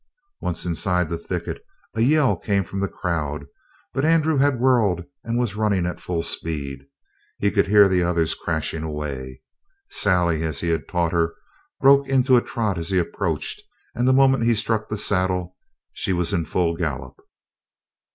Once inside the thicket a yell came from the crowd, but Andrew had whirled and was running at full speed. He could hear the others crashing away. Sally, as he had taught her, broke into a trot as he approached, and the moment he struck the saddle she was in full gallop.